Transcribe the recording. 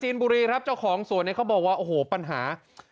นบุรีครับเจ้าของสวนเนี่ยเขาบอกว่าโอ้โหปัญหา